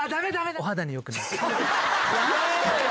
お肌によくない。